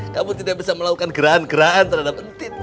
kamu tidak bisa melakukan gerahan gerahan terhadap entin